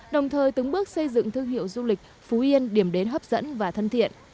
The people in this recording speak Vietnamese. đồng thời từng bước xây dựng thương hiệu du lịch phú yên điểm đến hấp dẫn và thân thiện